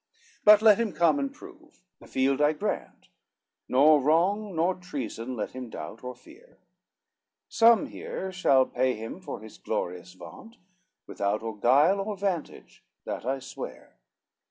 XIX "But let him come and prove, the field I grant, Nor wrong nor treason let him doubt or fear, Some here shall pay him for his glorious vaunt, Without or guile, or vantage, that I swear.